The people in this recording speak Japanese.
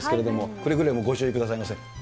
くれぐれもご注意くださいませ。